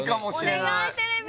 お願いテレビ